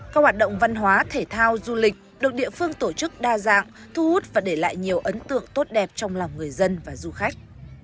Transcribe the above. các hoạt động văn hóa thể thao du lịch được địa phương tổ chức đa dạng thu hút và để lại nhiều ấn tượng tốt đẹp trong lòng người dân và du khách